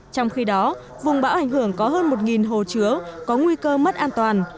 trong khi đó vùng bão ảnh hưởng có hơn một hồ chứa có nguy cơ mất an toàn